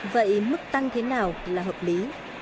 vậy mức tăng thế nào là hợp lý